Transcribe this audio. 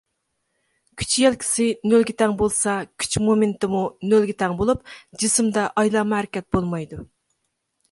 كۈچ يەلكىسى نۆلگە تەڭ بولسىلا، كۈچ مومېننتىمۇ نۆلگە تەن بولۇپ، جىسىمدا ئايلانما ھەرىكەت بولمايدۇ.